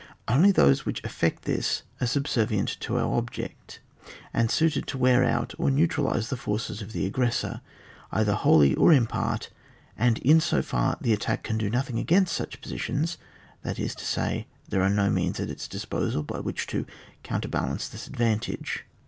Only those which can effect this are sub servient to our object, and suited to wear out or neutralise the forces of the aggres sor, either whoUy or in part, and in so far the attack can do nothing against such positions, that is to say, there are no means at its disposal by which to counter balance this advantage.